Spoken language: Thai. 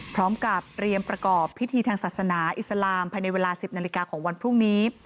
พร้อมกับเตรียมประกอบพิธีทางศาสนาอิสลามภายในเวลา๑๐นาฬิกาของวันพรุ่งนี้